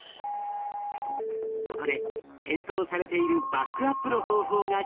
そこで検討されているバックアップの方法がこちら。